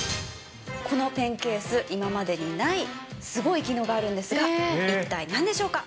このペンケース、今までにないすごい機能があるんですが、一体なんでしょうか？